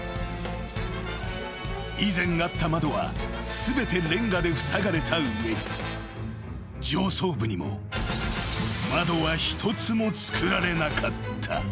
［以前あった窓は全てレンガでふさがれた上に上層部にも窓は一つも作られなかった］